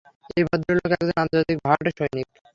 এই ভদ্রলোক একজন আন্তর্জাতিক ভাড়াটে সৈনিক।